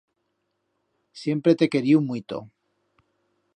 Siempre t'he queriu muito.